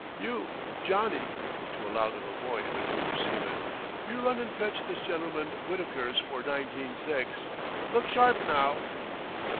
You Johnny" (to a lout of a boy in the group of seamen), "you run an' fetch this gentleman Whitaker's for Nineteen six. Look sharp, now!"